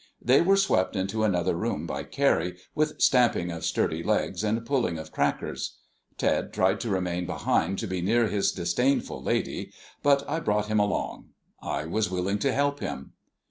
They were swept into another room by Carrie, with stamping of sturdy legs and pulling of crackers. Ted tried to remain behind to be near his disdainful lady, but I brought him along. I was willing to help him.